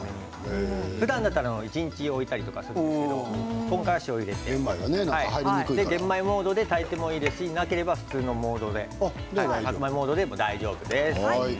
ふだんだったら一日置いたりしますけど今回は塩を入れて玄米モードで炊いてもいいですしなければ普通のモードでも大丈夫です。